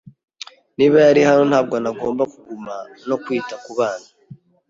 Niba yari hano, ntabwo nagomba kuguma no kwita kubana.